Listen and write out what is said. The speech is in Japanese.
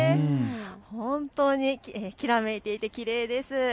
本当にひらめいていてきれいです。